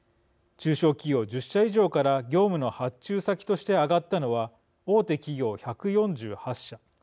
中小企業１０社以上から業務の発注先として挙がったのは大手企業、１４８社。